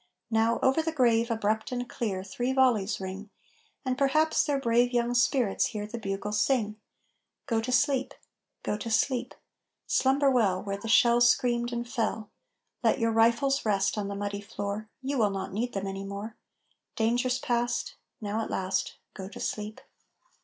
Now over the grave abrupt and clear Three volleys ring; And perhaps their brave young spirits hear The bugle sing: "Go to sleep! Go to sleep! Slumber well where the shell screamed and fell Let your rifles rest on the muddy floor, You will not need them any more. Danger's past; Now at last, Go to sleep!"